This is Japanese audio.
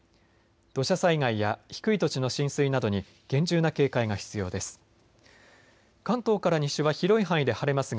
土砂災害や低い土地の浸水などに厳重な警戒が必要です。